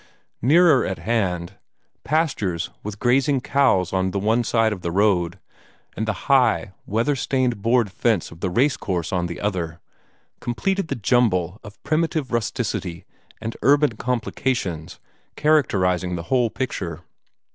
Nearer at hand, pastures with grazing cows on the one side of the road, and the nigh, weather stained board fence of the race course on the other, completed the jumble of primitive rusticity and urban complications characterizing the whole picture.